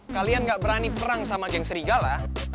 kalian gak berani perang sama geng serigala